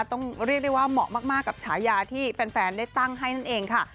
ต้องเรียกได้ว่าเหมาะมากกับฉายาที่แฟนได้ตั้งให้นั่นเองค่ะ